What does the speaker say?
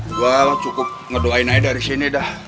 gue cukup ngedoain aja dari sini dah